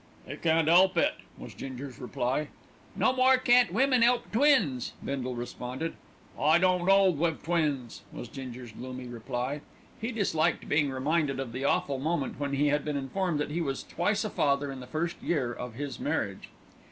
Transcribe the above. "'E can't 'elp it," was Ginger's reply. "No more can't women 'elp twins," Bindle responded. "I don't 'old wiv twins," was Ginger's gloomy reply. He disliked being reminded of the awful moment when he had been informed that he was twice a father in the first year of his marriage.